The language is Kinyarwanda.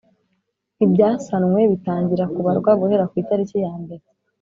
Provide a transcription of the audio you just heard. ibyasanwe bitangira kubarwa guhera ku itariki ya mbere